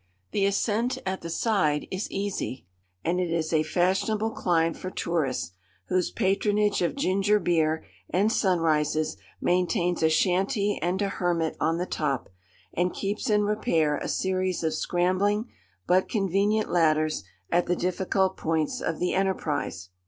The ascent at the side is easy; and it is a fashionable climb for tourists, whose patronage of ginger beer and sunrises maintains a shanty and a hermit on the top, and keeps in repair a series of scrambling but convenient ladders at the difficult points of the enterprise.